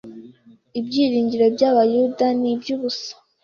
Ibyiringiro by’Abayuda ni iby’ubusa